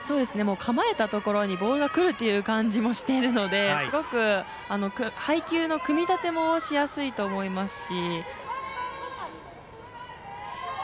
構えたところにボールがくるという感じもしているので配球の組み立てもしやすいと思いますし。